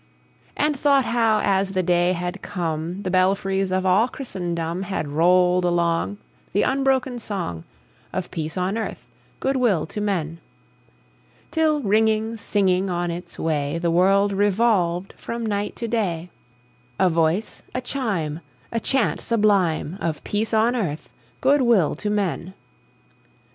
And thought how, as the day had come, The belfries of all Christendom Had rolled along The unbroken song Of peace on earth, good will to men! Till, ringing, singing on its way, The world revolved from night to day, A voice, a chime, A chant sublime Of peace on earth, good will to men!